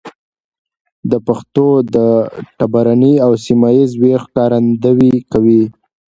د پښتو د ټبرني او سيمه ييز ويش ښکارندويي کوي.